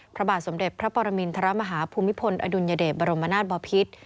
พระบาทสมเด็จพระปรมินทรมาฮาภูมิพลอดุลยเดชบรมนาศบอพิษ